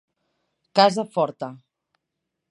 Casa forta.